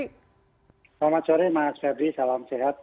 selamat sore mas ferdi salam sehat